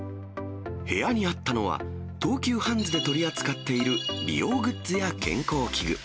部屋にあったのは、東急ハンズで取り扱っている美容グッズや健康器具。